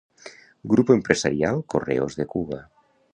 Grupo Empresarial Correos de Cuba.